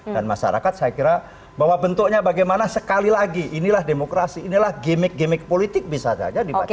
dan masyarakat saya kira bahwa bentuknya bagaimana sekali lagi inilah demokrasi inilah gimmick gimmick politik bisa saja dibaca